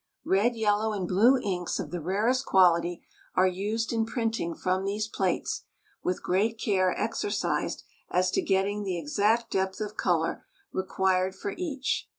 Red, yellow, and blue inks of the rarest quality are used in printing from these plates, with great care exercised as to getting the exact depth of color required for each.